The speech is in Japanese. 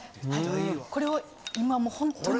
これを今もうホントに。